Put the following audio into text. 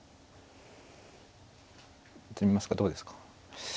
詰みますかどうですか。